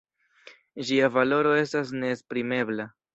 Ĝia valoro estas neesprimebla.